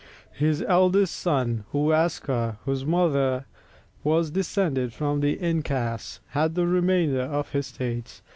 His eldest son Huascar, whose mother was descended from the incas, had the remainder of his states.